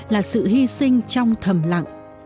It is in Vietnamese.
là sự hy sinh trong thầm lặng